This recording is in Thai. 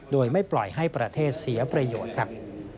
โดยไม่ปล่อยให้ประเทศเสียประโยชน์ครับ